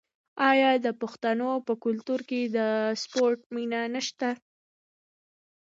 آیا د پښتنو په کلتور کې د سپورت مینه نشته؟